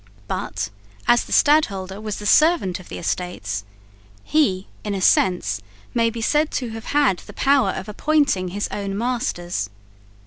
But, as the stadholder was the servant of the Estates, he, in a sense, may be said to have had the power of appointing his own masters.